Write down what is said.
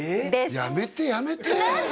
やめてやめて何で？